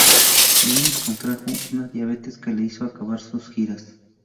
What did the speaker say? Jennings contrajo una diabetes que le hizo acabar sus giras.